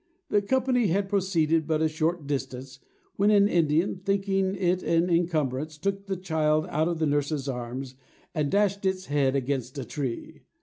The company had proceeded but a short distance, when an Indian, thinking it an incumbrance, took the child out of the nurse's arms, and dashed its head against a tree.